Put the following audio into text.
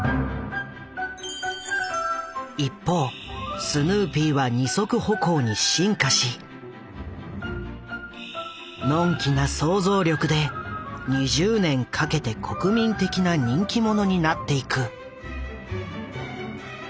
一方スヌーピーは２足歩行に進化しのんきな想像力で２０年かけて国民的な人気者になっていく。